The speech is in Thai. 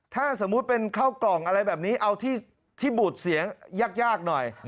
ถ้าสมมุติเป็นข้าวกล่องอะไรแบบนี้เอาที่บูดเสียงยากหน่อย